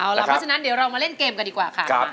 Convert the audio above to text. เอาล่ะเพราะฉะนั้นเดี๋ยวเรามาเล่นเกมกันดีกว่าค่ะ